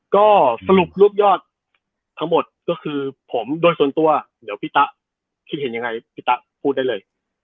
ก็สรุปรูปยอดทั้งหมดก็คือผมโดยส่วนตัวเดี๋ยวพี่ตะคิดเห็นยังไงพี่ตะพูดได้เลย